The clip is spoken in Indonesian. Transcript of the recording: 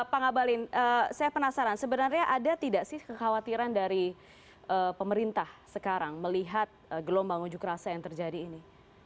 pak ngabalin saya penasaran sebenarnya ada tidak sih kekhawatiran dari pemerintah sekarang melihat gelombang ujuk rasa yang terjadi ini